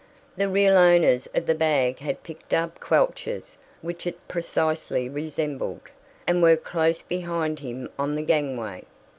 The real owners of the bag had picked up Quelch's which it precisely resembled, and were close behind him on the gangway.